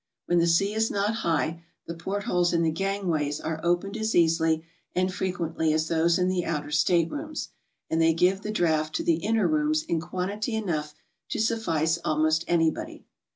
When the sea is not high, the port holes in the gangways are opened as easily and frequently as those in the outer staterooms, and they give the draught to the inner rooms in quantity enough to suffice almost anybody.